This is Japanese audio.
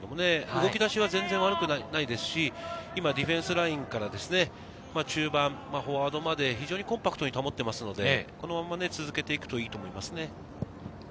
動き出しは悪くないですし、今ディフェンスラインから中盤、フォワードまで非常にコンパクトに保っていますので、このまま続けていくといいと思いますね。